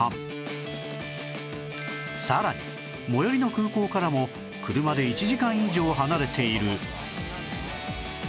さらに最寄りの空港からも車で１時間以上離れている